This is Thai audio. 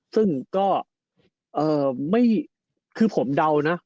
ซึ่งก็คือผมเดานะ